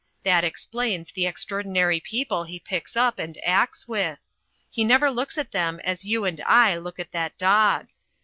That explains the extraordinary people he picks up and acts with; he never looks at them as you and I look at that dog.